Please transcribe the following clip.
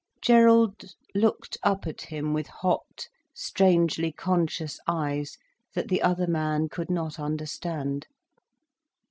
Gerald looked up at him with hot, strangely conscious eyes, that the other man could not understand.